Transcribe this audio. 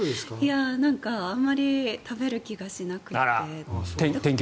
あまり食べる気がしなくて。